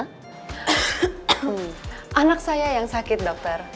hmm anak saya yang sakit dokter